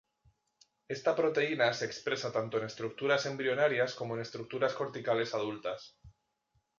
Esta proteína se expresa tanto en estructuras embrionarias como en estructuras corticales adultas.